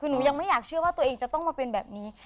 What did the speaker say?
คือหนูยังไม่อยากเชื่อว่าตัวเองจะต้องมาเป็นแบบนี้